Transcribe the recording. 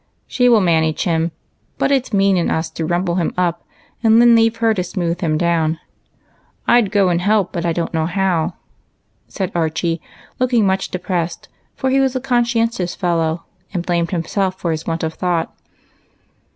" She will manage him ; but it's mean in us to rum ])le him up and then leave her to smooth him down. I 'd go and help, but I don't know how," said Archie, looking much depressed, for he was a conscientious fellow, and blamed himself for his want of thought.